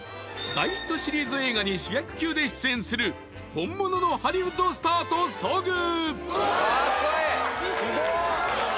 大ヒットシリーズ映画に主役級で出演する本物のハリウッドスターと遭遇！